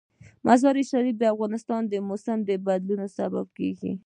مزارشریف د افغانستان د موسم د بدلون سبب کېږي.